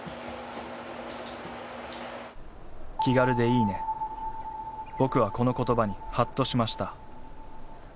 ヤバい落ちる僕はこの言葉にハッとしました